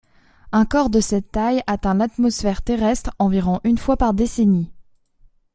Un corps de cette taille atteint l'atmosphère terrestre environ une fois par décennie.